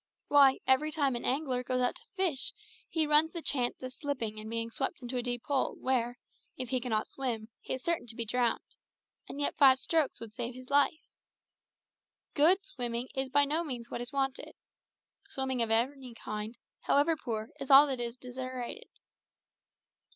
Why, every time an angler goes out to fish he runs the chance of slipping and being swept into a deep hole, where, if he cannot swim, he is certain to be drowned. And yet five strokes would save his life. Good swimming is by no means what is wanted; swimming of any kind, however poor, is all that is desiderated.